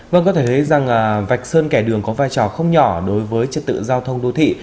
vâng có thể thấy rằng vạch sơn kẻ đường có vai trò không nhỏ đối với trật tự giao thông đô thị